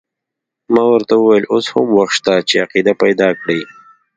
ما ورته وویل اوس هم وخت شته چې عقیده پیدا کړې.